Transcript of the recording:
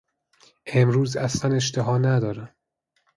امروز اصلا اشتها ندارم.